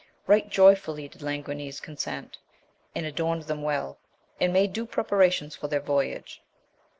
Right joyfully did Languines con sent, and adorned them well, and made due prepara tions for their voyage.